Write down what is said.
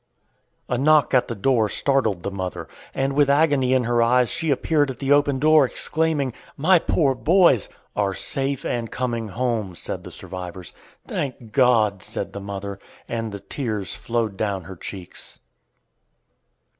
A knock at the door startled the mother, and, with agony in her eyes, she appeared at the open door, exclaiming, "My poor boys!" "Are safe, and coming home," said the survivors. "Thank God!" said the mother, and the tears flowed down her cheeks.